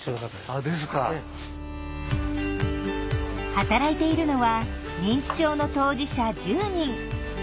働いているのは認知症の当事者１０人。